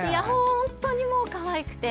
本当にかわいくて。